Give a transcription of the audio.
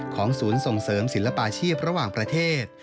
ศูนย์ส่งเสริมศิลปาชีพระหว่างประเทศ